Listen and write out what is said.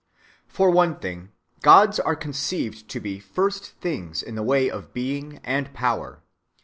For one thing, gods are conceived to be first things in the way of being and power.